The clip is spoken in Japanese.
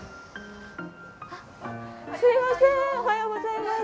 あっすみませんおはようございます。